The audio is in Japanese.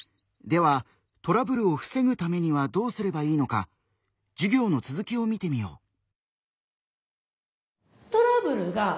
ではトラブルをふせぐためにはどうすればいいのか授業の続きを見てみよう。